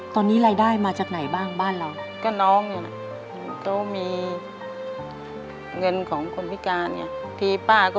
ตอนนี้รายได้มาจากไหนบ้างบ้านเรา